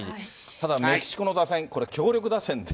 ただメキシコの打線、これ、強力打線で。